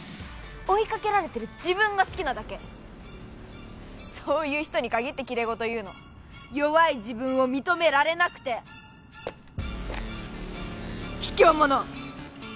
追いかけられてる自分が好きなだけそういう人に限ってキレイごと言うの弱い自分を認められなくて卑怯者！